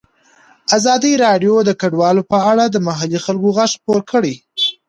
ازادي راډیو د کډوال په اړه د محلي خلکو غږ خپور کړی.